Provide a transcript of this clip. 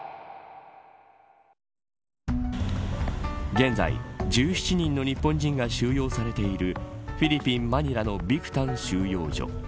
現在１７人の日本人が収容されているフィリピンマニラのビクタン収容所。